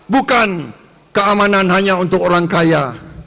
bukan keamanan hanya untuk orang kaya